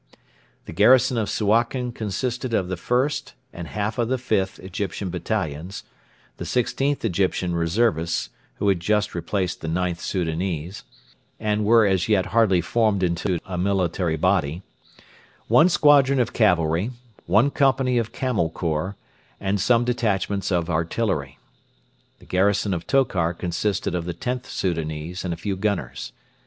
The garrison of Suakin consisted of the 1st and half the 5th Egyptian Battalions; the 16th Egyptian reservists, who had just replaced the IXth Soudanese, and were as yet hardly formed into a military body; one squadron of cavalry, one company of Camel Corps, and some detachments of artillery. The garrison of Tokar consisted of the Xth Soudanese and a few gunners.